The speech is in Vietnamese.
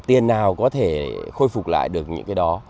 tiền nào có thể khôi phục lại được những cái đó